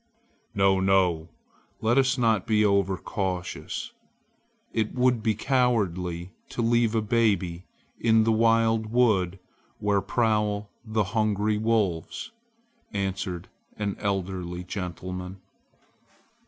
"No! no! Let us not be overcautious. It would be cowardly to leave a baby in the wild wood where prowl the hungry wolves!" answered an elderly man.